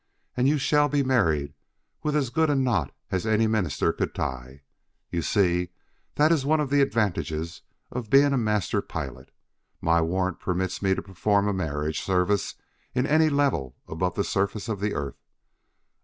And you shall be married with as good a knot as any minister could tie: you see, that is one of the advantages of being a Master Pilot. My warrant permits me to perform a marriage service in any level above the surface of the Earth.